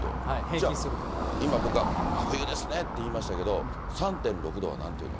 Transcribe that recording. じゃあ、今僕が真冬ですねって言いましたけど、３．６度はなんて言うの？